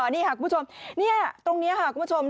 นี่ค่ะคุณผู้ชมนี่ตรงนี้ค่ะคุณผู้ชม